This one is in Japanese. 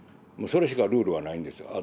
もうそれしかルールはないんです。